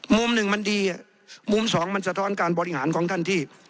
มุมหนึ่งมันดีมุมสองมันสะท้อนการบริหารของท่านที่